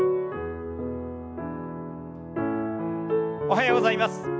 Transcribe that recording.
おはようございます。